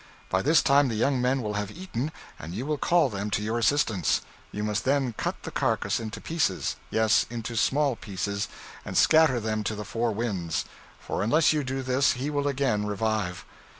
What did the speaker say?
By this time the young men will have eaten, and you will call them to your assistance. You must then cut the carcass into pieces, yes, into small pieces, and scatter them to the four winds; for, unless you do this, he will again revive.'